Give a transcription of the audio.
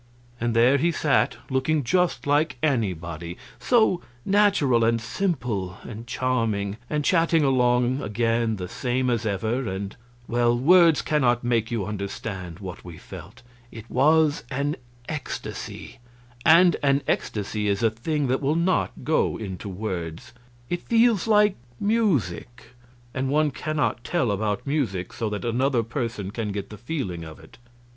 And there he sat, looking just like anybody so natural and simple and charming, and chatting along again the same as ever, and well, words cannot make you understand what we felt. It was an ecstasy; and an ecstasy is a thing that will not go into words; it feels like music, and one cannot tell about music so that another person can get the feeling of it.